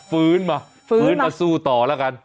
ฟื้นมาฟื้นมาสู้ต่อแล้วกัน